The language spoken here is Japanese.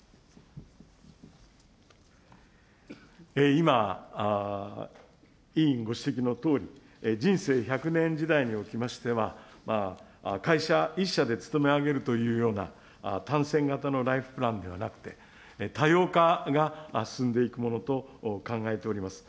今、委員ご指摘のとおり、人生１００年時代におきましては、会社１社で勤め上げるというような単線型のライフプランではなくて、多様化が進んでいくものと考えております。